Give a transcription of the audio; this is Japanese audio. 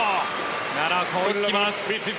奈良岡、追いつきます。